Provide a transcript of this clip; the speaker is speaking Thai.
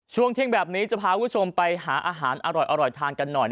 ช่วงเที่ยงแบบนี้จะพาคุณผู้ชมไปหาอาหารอร่อยทานกันหน่อย